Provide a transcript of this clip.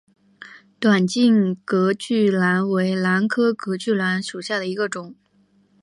短茎隔距兰为兰科隔距兰属下的一个种。